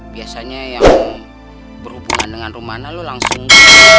biasanya yang berhubungan dengan rumah anak lo langsung